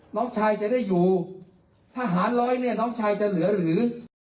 น้องชายจะได้อยู่ถ้าหารร้อยเนี่ยน้องชายจะเหลือหรือ